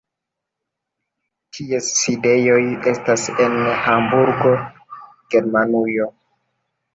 Ties sidejoj estas en Hamburgo, Germanujo.